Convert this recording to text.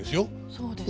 そうです。